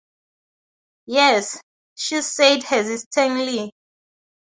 “Yes,” she said hesitatingly.